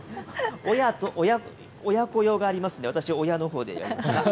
親子用がありますので、私、親のほうでやります。